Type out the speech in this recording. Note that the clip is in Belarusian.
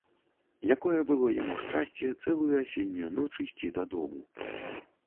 Якое было яму шчасце цэлую асеннюю ноч ісці дадому.